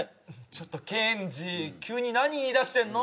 ちょっとケンジ急に何言いだしてんの？